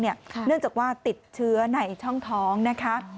เนื่องจากว่าติดเชื้อในช่องท้องนะคะ